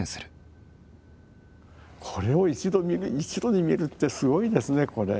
これを一度に見るってすごいですねこれ。